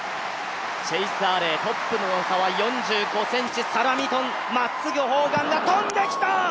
チェイス・アーレイ、トップとの差は４５ｃｍ、まっすぐ砲丸が飛んできた！